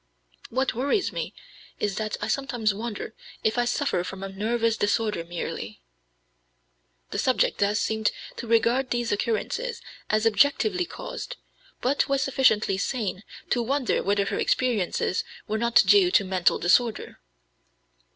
What worries me is that I sometimes wonder if I suffer from a nervous disorder merely." The subject thus seemed to regard these occurrences as objectively caused, but was sufficiently sane to wonder whether her experiences were not due to mental disorder.